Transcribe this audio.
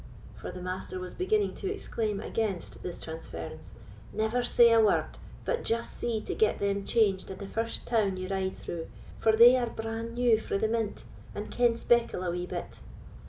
for the Master was beginning to exclaim against this transference, "never say a word, but just see to get them changed in the first town ye ride through, for they are bran new frae the mint, and ken speckle a wee bit."